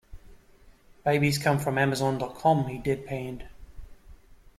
"Babies come from amazon.com," he deadpanned.